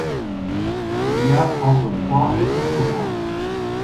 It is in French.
Il y a entre trois et quatre mois.